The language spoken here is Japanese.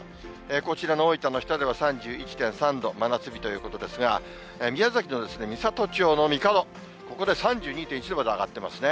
こちらの大分の日田では３１．３度、真夏日ということですが、宮崎の美郷町の神門、ここで３２．１度まで上がってますね。